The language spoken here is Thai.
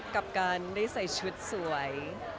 กับการได้ใส่ชุดสวย